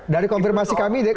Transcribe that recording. dari konfirmasi kami dki